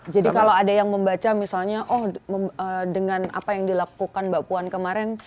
jadi kalau ada yang membaca misalnya oh dengan apa yang dilakukan mbak puan kemarin